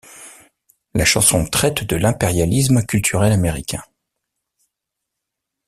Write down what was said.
La chanson traite de l'impérialisme culturel américain.